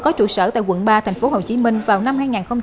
có trụ sở tại quận ba tp hcm vào năm hai nghìn hai mươi